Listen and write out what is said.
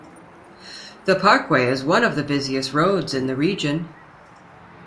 The parkway is one of the busiest roads in the region.